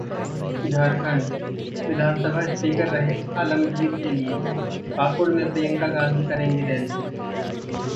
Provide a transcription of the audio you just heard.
झारखंड: विधानसभा स्पीकर रहे आलमगीर के लिए पाकुड़ में प्रियंका गांधी करेंगी रैली